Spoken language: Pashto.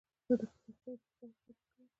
زه د سختیو پر وخت صبر کوم.